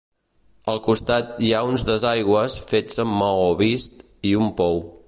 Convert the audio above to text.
Al costat hi ha uns desaigües fets amb maó vist, i un pou.